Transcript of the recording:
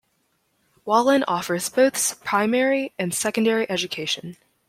Wallan offers both primary and secondary education.